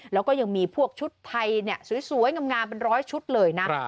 แล้วก็ยังมีพวกชุดไทยสวยงามเป็นร้อยชุดเลยนะ